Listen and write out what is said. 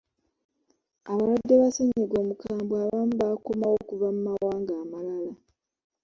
Abalwadde ba ssennyiga omukambwe abamu bakomawo okuva mu mawanga amalala.